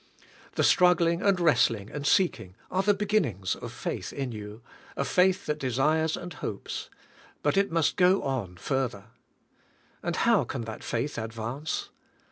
The struggling and wrestling and seeking are the be ginnings of faith in 3^ou — a faith that desires and hopes. But it must go on further. And how can that faith advance?